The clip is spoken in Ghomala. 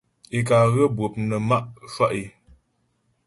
Ě ká ghə́ bwɔp nə má' shwá' é.